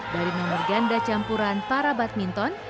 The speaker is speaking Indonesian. dari nomor ganda campuran para badminton